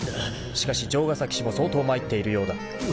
［しかし城ヶ崎氏も相当参っているようだ］